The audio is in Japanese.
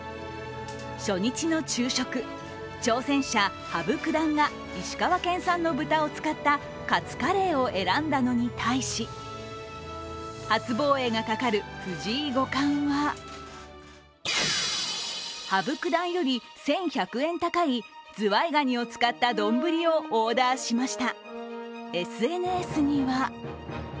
初日の昼食、挑戦者・羽生九段が石川県産の豚を使ったカツカレーを選んだのに対し初防衛が懸かる藤井五冠は羽生九段より１１００円高いズワイガニを使った丼をオーダーしました。